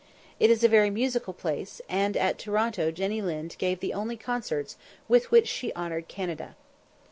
It is a very musical place, and at Toronto Jenny Lind gave the only concerts with which she honoured Canada.